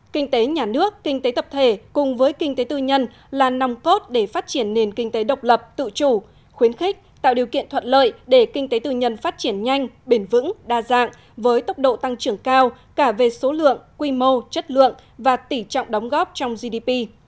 kinh tế nhà nước kinh tế tập thể cùng với kinh tế tư nhân là nòng cốt để phát triển nền kinh tế độc lập tự chủ khuyến khích tạo điều kiện thuận lợi để kinh tế tư nhân phát triển nhanh bền vững đa dạng với tốc độ tăng trưởng cao cả về số lượng quy mô chất lượng và tỉ trọng đóng góp trong gdp